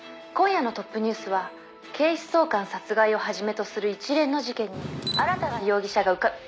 「今夜のトップニュースは警視総監殺害を始めとする一連の事件に新たな容疑者が浮か」